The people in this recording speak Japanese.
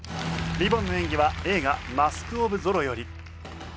リボンの演技は映画『マスク・オブ・ゾロ』より。